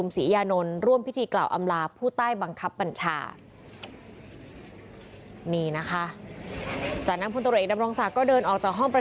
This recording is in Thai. ฝากอะไรเป็นพิเศษไหมคะท่านคะ